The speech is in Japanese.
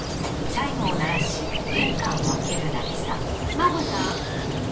真帆さん？